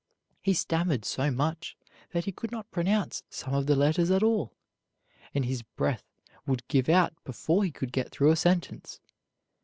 He stammered so much that he could not pronounce some of the letters at all, and his breath would give out before he could get through a sentence.